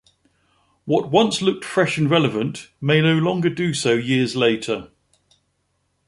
What once looked fresh and relevant may no longer do so years later.